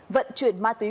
vận chuyển ma túy